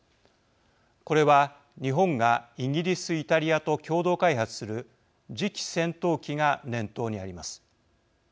これは、日本がイギリス・イタリアと共同開発する次期戦闘機が念頭にあります。